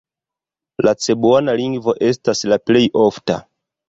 La cebuana lingvo estas la plej ofta.